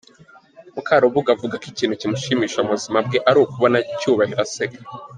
Mukarubuga avuga ko ikintu kimushimisha mu buzima bwe ari ukubona Cyubahiro aseka.